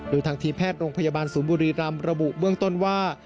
โดยทางทีมแพทย์โรงพยาบาลศูนย์บุรีรำระบุเบื้องต้นว่า